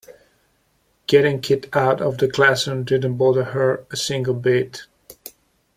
Getting kicked out of the classroom didn't bother her a single bit.